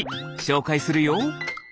しょうかいするよ。